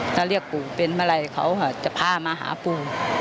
ถ้าเรียกปู่เป็นเมื่อไหร่เขาจะพามาหาปู่